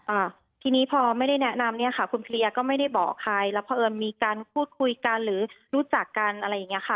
อ่าทีนี้พอไม่ได้แนะนำเนี้ยค่ะคุณเคลียร์ก็ไม่ได้บอกใครแล้วเพราะเอิญมีการพูดคุยกันหรือรู้จักกันอะไรอย่างเงี้ค่ะ